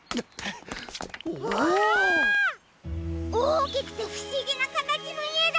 おおきくてふしぎなかたちのいえだ！